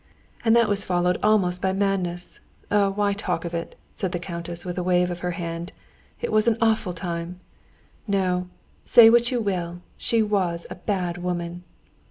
And that was followed almost by madness. Oh, why talk of it!" said the countess with a wave of her hand. "It was an awful time! No, say what you will, she was a bad woman.